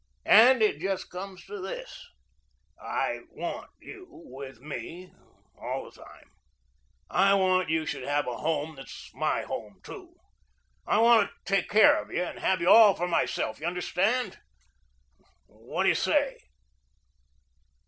And it just comes to this, I want you with me all the time. I want you should have a home that's my home, too. I want to take care of you, and have you all for myself, you understand. What do you say?"